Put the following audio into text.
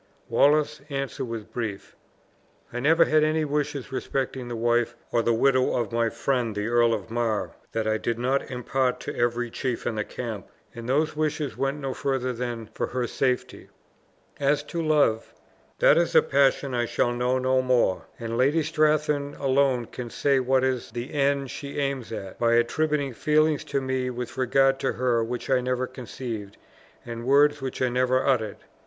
Wallace's answer was brief: "I never had any wishes respecting the wife or the widow of my friend the Earl of Mar that I did not impart to every chief in the camp, and those wishes went no further than for her safety. As to love, that is a passion I shall know no more; and Lady Strathearn alone can say what is the end she aims at, by attributing feelings to me with regard to her which I never conceived, and words which I never uttered.